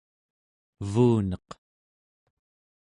evuneq